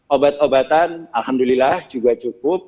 obat obatan alhamdulillah juga cukup